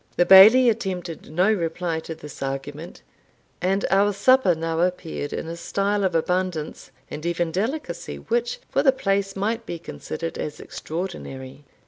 The Bailie attempted no reply to this argument, and our supper now appeared in a style of abundance, and even delicacy, which, for the place, might be considered as extraordinary.